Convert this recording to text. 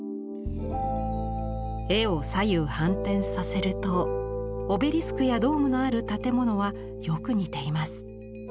絵を左右反転させるとオベリスクやドームのある建物はよく似ています。